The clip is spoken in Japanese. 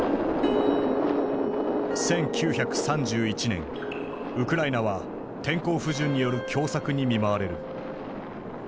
１９３１年ウクライナは天候不順による凶作に見舞われる。